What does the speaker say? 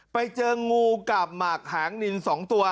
ไปเจองูกับหมากหางนิน๒ตัว